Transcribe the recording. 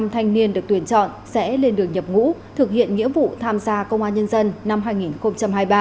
ba trăm linh năm thanh niên được tuyển chọn sẽ lên đường nhập ngũ thực hiện nghĩa vụ tham gia công an nhân dân năm hai nghìn hai mươi ba